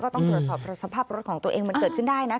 ต้องตรวจสอบสภาพรถของตัวเองมันเกิดขึ้นได้นะ